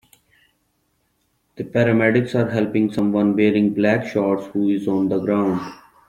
The Paramedics are helping someone wearing black shorts who is on the ground.